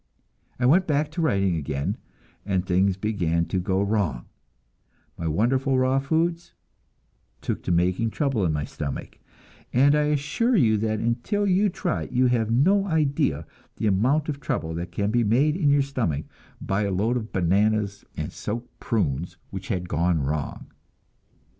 I went back to writing again, and things began to go wrong; my wonderful raw foods took to making trouble in my stomach and I assure you that until you try, you have no idea the amount of trouble that can be made in your stomach by a load of bananas and soaked prunes which has gone wrong!